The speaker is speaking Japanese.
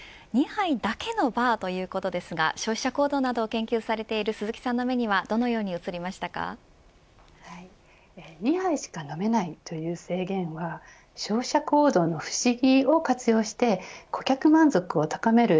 ２杯だけのバーということですが消費者行動などを研究されている鈴木さんの目には２回しか飲めないという制限は消費者行動の不思議を活用して顧客満足を高める